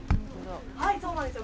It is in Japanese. そうなんですよ。